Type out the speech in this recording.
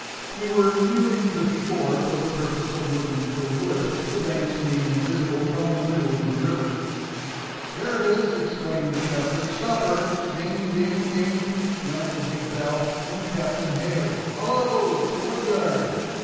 We were nearing the shore for the purpose of looking for wood, the banks being invisible from the middle of the river. "There it is!" exclaimed the Captain; "stop her!" Ding ding ding! went the big bell, and the Captain hailed: "Hallo! the woodyard!"